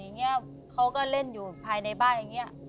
เขาก็เล่นอยู่ภายในบ้านอย่างนี้